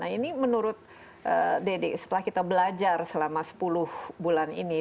ini menurut dede setelah kita belajar selama sepuluh bulan ini